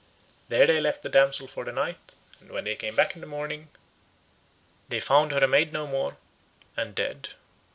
There they left the damsel for the night, and when they came back in the morning they found her a maid no more, and dead.